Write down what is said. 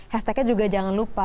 hashtagnya juga jangan lupa